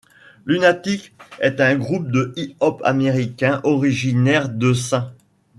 Lunatics est un groupe de hip-hop américain, originaire de St.